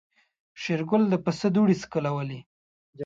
شېرګل د پسه دوړې سکوللې.